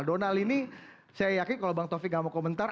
donal ini saya yakin kalau bang taufik gak mau komentar